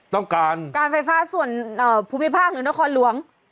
ต้องการการไฟฟ้าส่วนภูมิภาคหรือหน้าคอร์ลหลวง